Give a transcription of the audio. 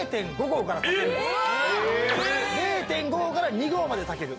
０．５合から２合まで炊ける。